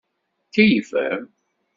Tkeyyfem.